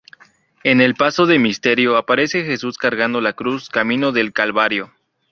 En el paso de misterio aparece Jesús cargando la cruz camino del Calvario.